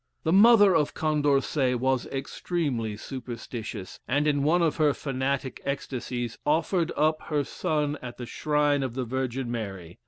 The mother of Condorcet was extremely superstitious, and in one of her fanatic ecstasies, offered up her son at the shrine of the Virgin Mary.